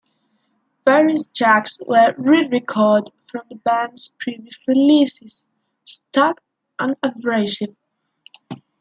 Various tracks were re-recorded from the band's previous releases, "Stuck" and "Abrasive".